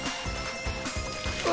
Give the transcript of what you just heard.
うわ！